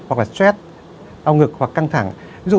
hoặc là stress đau ngực hoặc căng thẳng